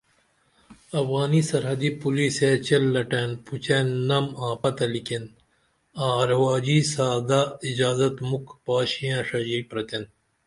افغانی سرحدی پولیسیہ چیل لٹئن، پوچئن، نم آں پتہ لیکین آں رواجی سادہ اجازت مُکھ پاش یین ڜڙی پرتین